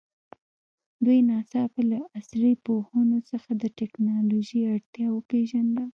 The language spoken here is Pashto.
دوی ناڅاپه له عصري پوهنو څخه د تکنالوژي اړتیا وپېژانده.